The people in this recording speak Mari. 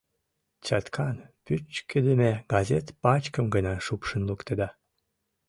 Чаткан пӱчкедыме газет пачкым гына шупшын луктеда.